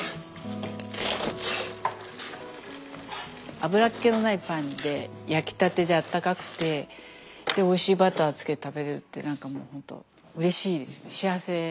油っ気のないパンで焼きたてであったかくてでおいしいバターつけて食べれるってなんかもうほんとうれしいですよね。